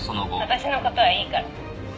私のことはいいから。